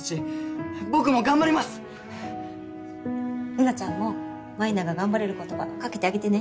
玲奈ちゃんも舞菜が頑張れる言葉かけてあげてね